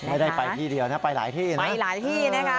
ไม่ได้ไปที่เดียวนะไปหลายที่นะไปหลายที่นะคะ